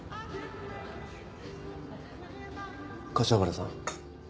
柏原さん。